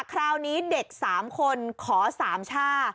คราวนี้เด็กสามคนขอสามชา